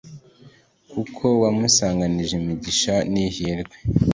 kuko wamusanganije imigisha n'ihirwe